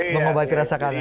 memobati rasa kangen